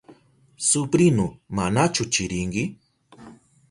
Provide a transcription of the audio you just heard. Suprinu, ¿manachu chirinki?